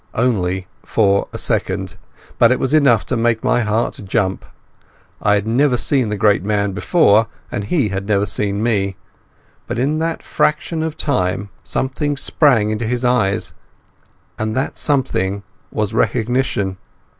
Only for a second, but it was enough to make my heart jump. I had never seen the great man before, and he had never seen me. But in that fraction of time something sprang into his eyes, and that something was recognition.